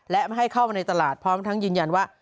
และไม่ให้เข้ามาในตลาดพร้อมทั้งยืนยันว่า